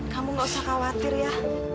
kamu gak usah khawatir ya